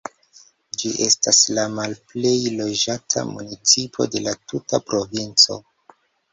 Ĝi estas la malplej loĝata municipo de la tuta provinco.